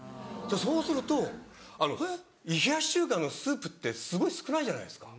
そうすると冷やし中華のスープってすごい少ないじゃないですか。